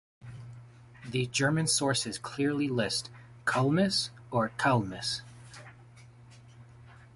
The German sources clearly list "Calmus" or "Kalmus".